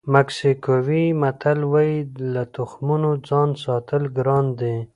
مکسیکوي متل وایي له تخمونو ځان ساتل ګران دي.